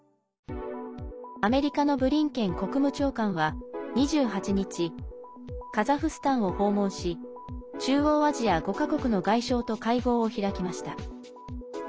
アメリカのブリンケン国務長官は２８日カザフスタンを訪問し中央アジア５か国の外相と会合を開きました。